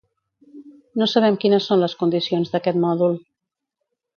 No sabem quines són les condicions d’aquest mòdul.